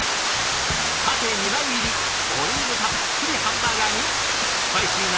パテ２枚入りボリュームたっぷりハンバーガーにスパイシーな